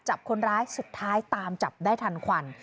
จับคนร้ายสุดท้ายตามจับได้ทันควัน